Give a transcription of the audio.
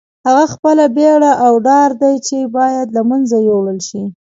هغه خپله بېره او ډار دی چې باید له منځه یوړل شي.